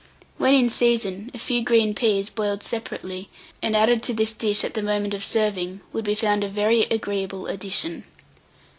When in season, a few green peas, boiled separately, and added to this dish at the moment of serving, would be found a very agreeable addition.